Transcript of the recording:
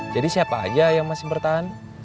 jadi siapa aja yang masih bertahan